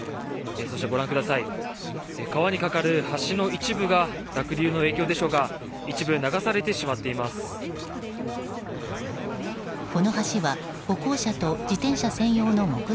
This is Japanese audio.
そして川に架かる橋の一部が濁流の影響でしょうか流されてしまっています。夕飯何？